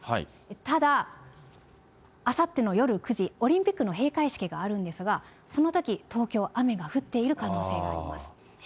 ただ、あさっての夜９時、オリンピックの閉会式があるんですが、そのとき、東京、雨が降っている可能性があります。